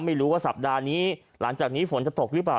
ไม่รู้ว่าสัปดาห์นี้หลังจากนี้ฝนจะตกหรือเปล่า